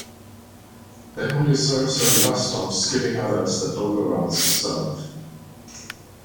They only serve certain bus stops, skipping others that local routes serve.